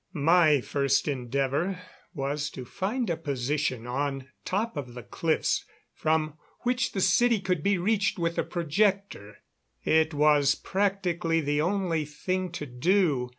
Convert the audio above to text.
My first endeavor was to find a position on top of the cliffs from which the city could be reached with a projector. It was practically the only thing to do.